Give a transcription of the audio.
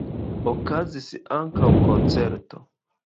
Okazis ankaŭ koncerto.